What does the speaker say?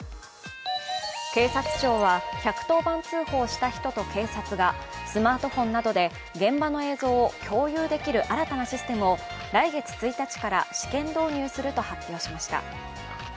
警察庁は１１０番通報した人と警察がスマートフォンなどで現場の映像を共有できる新たなシステムを来月１日から試験導入すると発表しました。